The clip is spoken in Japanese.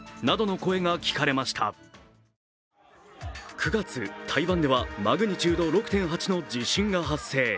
９月、台湾ではマグニチュード６．８の地震が発生。